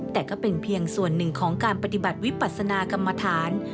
แต่ก็เป็นเพียงส่วนหนึ่งของการปฏิบัติวิปัสนากรรมฐาน